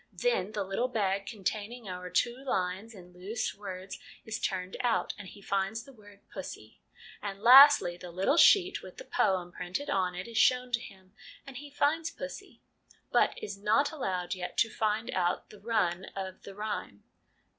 Then the little bag containing our two lines in loose words is turned out, and he finds the word ' pussy '; and, lastly, the little sheet with the poem printed on it is shown to him, and he finds ' pussy,' but is not allowed yet to find out the run of the rhyme.